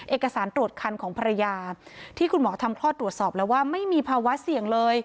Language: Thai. เอกสารตรวจคันของภรรยาที่คุณหมอทำคลอดตรวจสอบแล้วว่าไม่มีภาวะเสี่ยงเลย